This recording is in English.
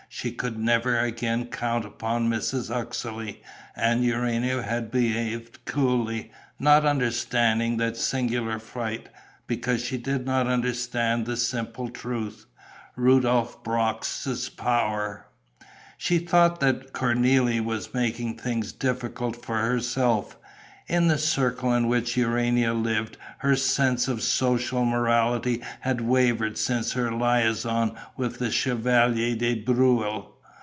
She could never again count upon Mrs. Uxeley; and Urania had behaved coolly, not understanding that singular flight, because she did not understand the simple truth, Rudolph Brox' power. She thought that Cornélie was making things difficult for herself. In the circle in which Urania lived, her sense of social morality had wavered since her liaison with the Chevalier de Breuil.